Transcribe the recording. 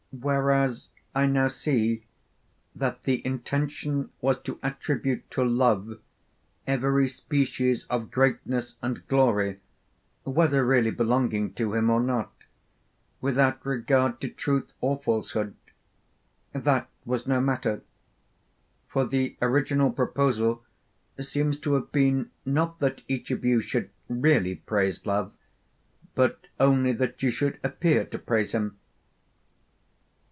Whereas I now see that the intention was to attribute to Love every species of greatness and glory, whether really belonging to him or not, without regard to truth or falsehood that was no matter; for the original proposal seems to have been not that each of you should really praise Love, but only that you should appear to praise him.